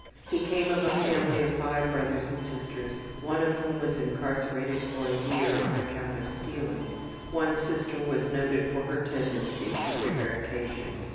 He came of a family of five brothers and sisters, one of whom was incarcerated for a year on account of stealing. One sister was noted for her tendency to prevarication.